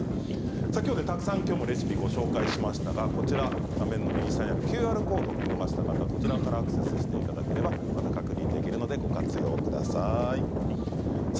今日たくさんレシピをご紹介しましたが画面の右下のＱＲコード見逃した方はこちらからアクセスしていただければ、また確認できるのでご活用ください。